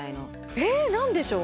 え何でしょう？